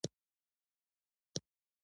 خړه ږیره یې هم پر مخ اېښې وه.